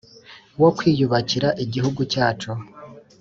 wo kwiyubakira igihugu cyacu